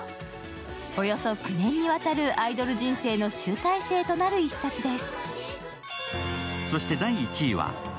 およそ９年にわたるアイドル人生の集大成となる一冊です。